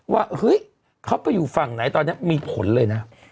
ว่าเฮ้ยเขาไปอยู่ฝั่งไหนตอนนี้มีผลเลยนะ